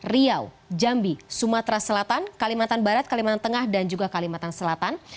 riau jambi sumatera selatan kalimantan barat kalimantan tengah dan juga kalimantan selatan